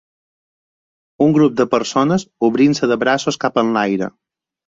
Un grup de persones obrint-se de braços cap a enlaire.